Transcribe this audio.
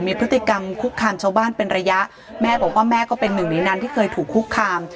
มีพฤติกรรมคุกคามชาวบ้านเป็นระยะแม่บอกว่าแม่ก็เป็นหนึ่งในนั้นที่เคยถูกคุกคาม